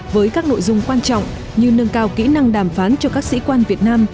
với các nội dung quan trọng như nâng cao kỹ năng đàm phán cho các sĩ quan việt nam